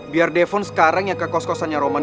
biar defen sekarang yang ke kos kosannya roman